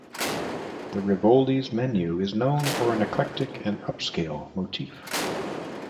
The Rivoli's menu is known for an eclectic and upscale motif.